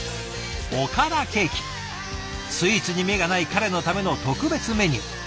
スイーツに目がない彼のための特別メニュー。